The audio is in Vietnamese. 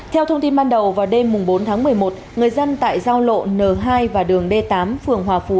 theo thông tin ban đầu vào đêm bốn tháng một mươi một người dân tại giao lộ n hai và đường d tám phường hòa phú